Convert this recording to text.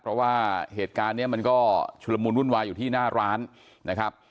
เพราะว่าเหตุการณ์นี้มันก็ชุลมุนวุ่นวายอยู่ที่หน้าร้านนะครับ